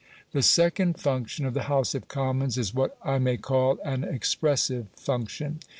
The second function of the House of Commons is what I may call an expressive function.